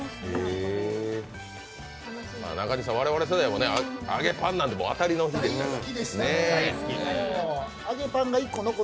中西さん、我々世代は揚げパンなんて当たりの日でしたよね。